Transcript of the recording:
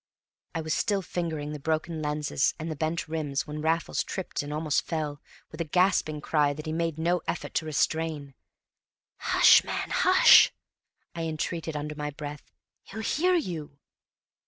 I was still fingering the broken lenses and the bent rims when Raffles tripped and almost fell, with a gasping cry that he made no effort to restrain. "Hush, man, hush!" I entreated under my breath. "He'll hear you!"